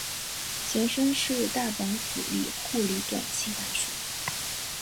前身是大阪府立护理短期大学。